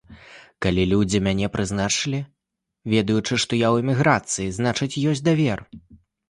Калі людзі мяне прызначылі, ведаючы, што я ў эміграцыі, значыць, ёсць давер.